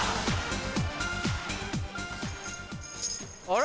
あれ？